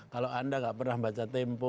kalau anda nggak pernah baca tempo